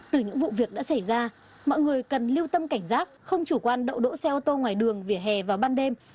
từ những vụ việc đã xảy ra mọi người cần lưu tâm cảnh giác không chủ quan đậu đỗ xe ô tô ngoài đường vỉa hè vào ban đêm